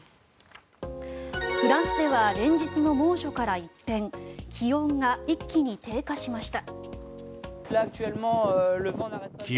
フランスでは連日の猛暑から一変気温が一気に低下しました。